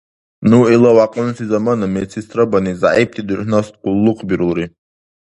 Ну ила вякьунси замана медсестрабани зягӀипти дурхӀнас къуллукъбирулри.